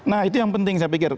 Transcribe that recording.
nah itu yang penting saya pikir